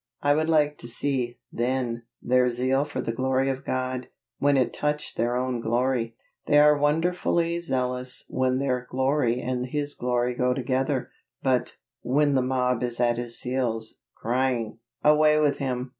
I would like to see, then, their zeal for the glory of God, when it touched their own glory. They are wonderfully zealous when their glory and His glory go together; but, when the mob is at His heels, crying, "Away with Him!